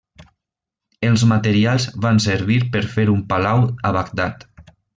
Els materials van servir per fer un palau a Bagdad.